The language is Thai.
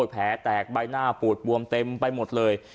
แผลแตกใบหน้าปูดบวมเต็มไปหมดเลย